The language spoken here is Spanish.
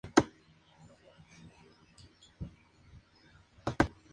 El año siguiente el programa cambió de nombre a "El cartel del humor".